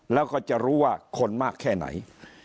แล้วก็จะรู้ว่าคนมากแค่ไหน